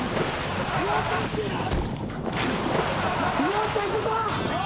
よっしゃいくぞ！